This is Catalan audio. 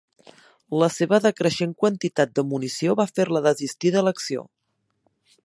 La seva decreixent quantitat de munició va fer-la desistir de l'acció.